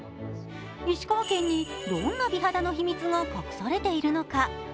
石川県にどんな美肌の秘密が隠されているのか？